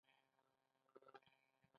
د زړه و زړه لار وي.